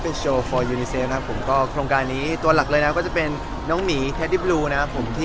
เพราะว่าสามารถซื้อด้านและผลงานได้ทั้งหมด